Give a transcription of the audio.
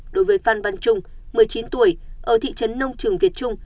đối với phan văn trung một mươi chín tuổi ở thị trấn nông trường việt trung